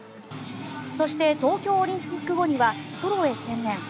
そして、東京オリンピック後にはソロへ専念。